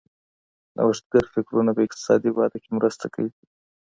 نوښتګر فکرونه په اقتصادي وده کي مرسته کوي.